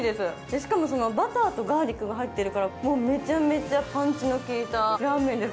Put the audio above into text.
しかもバターとガーリックが入ってるからめちゃめちゃパンチの効いたラーメンです。